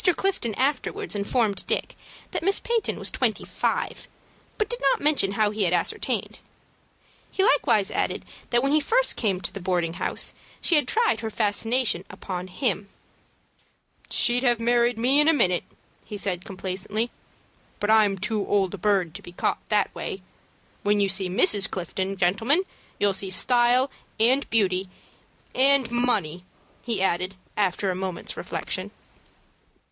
Clifton afterwards informed Dick that Miss Peyton was twenty five, but did not mention how he had ascertained. He likewise added that when he first came to the boarding house, she had tried her fascinations upon him. "She'd have married me in a minute," he said complacently; "but I'm too old a bird to be caught that way. When you see Mrs. Clifton, gentlemen, you'll see style and beauty, and money" he added, after a moment's reflection.